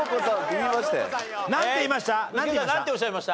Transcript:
なんて言いました？